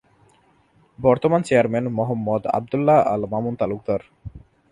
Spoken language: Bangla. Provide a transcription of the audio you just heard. বর্তমান চেয়ারম্যান- মোহাম্মদ আব্দুল্লাহ আল মামুন তালুকদার